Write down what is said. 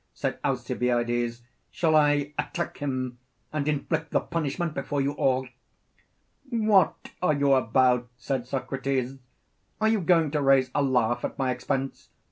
said Alcibiades: shall I attack him and inflict the punishment before you all? What are you about? said Socrates; are you going to raise a laugh at my expense?